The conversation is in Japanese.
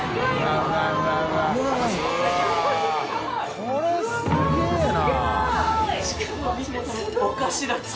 これすげぇな。